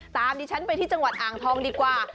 ดิฉันไปที่จังหวัดอ่างทองดีกว่า